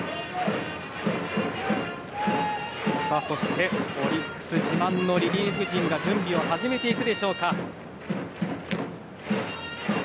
そして、オリックス自慢のリリーフ陣が準備を始めていくでしょうか。